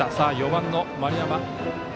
４番の丸山。